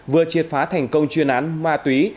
vừa triệt phá thành công chuyên án ma túy